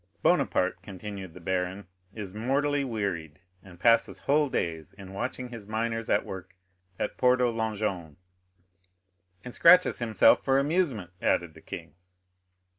"Bonaparte," continued the baron, "is mortally wearied, and passes whole days in watching his miners at work at Porto Longone." "And scratches himself for amusement," added the king.